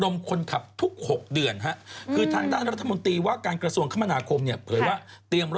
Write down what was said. ว่ารถมันหมดอายุการใช้งานแล้วพี่